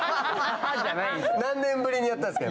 何年ぶりにやったんですか？